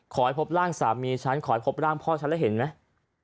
ขอให้พบร่างสามีฉันขอให้พบร่างพ่อฉันแล้วเห็นไหม